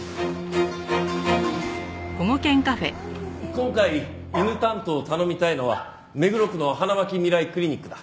今回犬担当を頼みたいのは目黒区の花巻みらいクリニックだ。